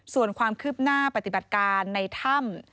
ส่วนความคืบหน้าปฏิบัติการในถ้ำ